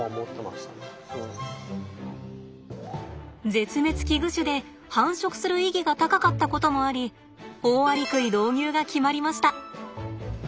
絶滅危惧種で繁殖する意義が高かったこともありオオアリクイ導入が決まりました！